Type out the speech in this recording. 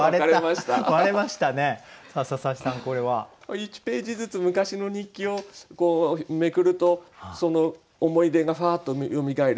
１ページずつ昔の日記をめくるとその思い出がふわっとよみがえる。